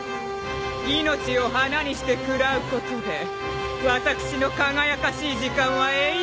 命を花にして食らうことで私の輝かしい時間は永遠に続くのよ！